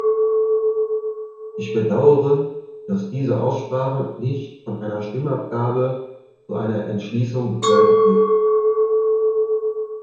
Ich bedauere, dass diese Aussprache nicht von einer Stimmabgabe zu einer Entschließung begleitet wird.